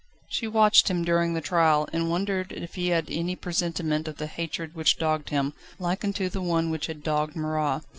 She watched him during the trial, and wondered if he had any presentiment of the hatred which dogged him, like unto the one which had dogged Marat.